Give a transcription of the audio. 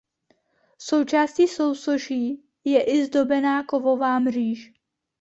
Součástí sousoší je i zdobená kovová mříž.